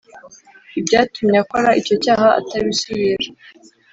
ibyatumye akora icyo cyaha atabisubira